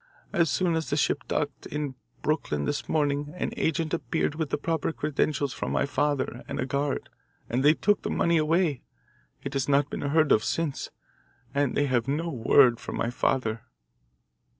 As soon as the ship docked in Brooklyn this morning an agent appeared with the proper credentials from my father and a guard, and they took the money away. It has not been heard of since and they have no word from my father."